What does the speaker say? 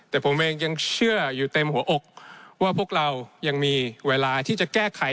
แต่ผมเองยังเชื่ออยู่เต็มหัวอกว่าพวกเรายังมีเวลาที่จะแก้ไข